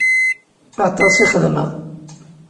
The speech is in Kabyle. Aṭas i xedmeɣ.